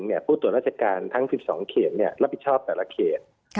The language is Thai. ก็คือ๑ผู้ตรวจราชิการทั้ง๑๒เครี่ยมได้รับผิดชอบแต่ละเขน